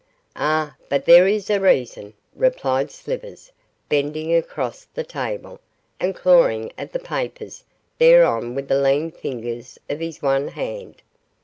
'Ah, but there is a reason,' replied Slivers, bending across the table and clawing at the papers thereon with the lean fingers of his one hand.